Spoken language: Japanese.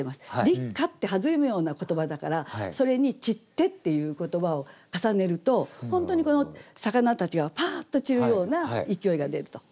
「立夏」って弾むような言葉だからそれに「散つて」っていう言葉を重ねると本当に魚たちがぱっと散るような勢いが出ると。